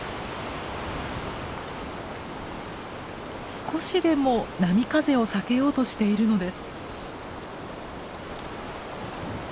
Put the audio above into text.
少しでも波風を避けようとしているのです。